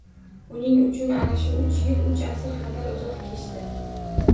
Uning uchun ana shu uch yil uch asr qadar uzoq kechdi.